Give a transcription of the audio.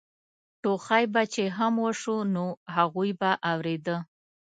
ټوخی به چې هم وشو نو هغوی به اورېده.